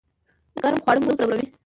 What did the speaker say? ګرم خواړه مو ځوروي؟